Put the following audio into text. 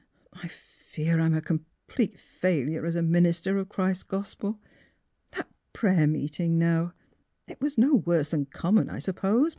I fear I'm a complete failure as a minister of Christ's gospel. That prayer meeting, now; it was no worse than common, I suppose.